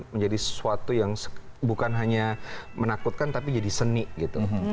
menjadi sesuatu yang bukan hanya menakutkan tapi jadi seni gitu